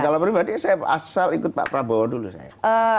kalau pribadi saya asal ikut pak prabowo dulu saya